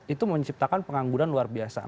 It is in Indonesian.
itu menciptakan pengangguran kebanyakan